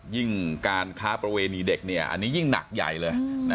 การค้าประเวณีเด็กอันนี้ยิ่งหนักใหญ่เลย